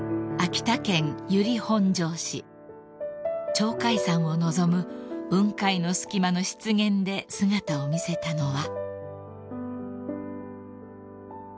［鳥海山を望む雲海の隙間の湿原で姿を見せたのは］